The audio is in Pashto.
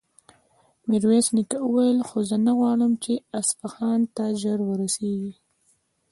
ميرويس نيکه وويل: خو زه نه غواړم چې اصفهان ته ژر ورسېږي.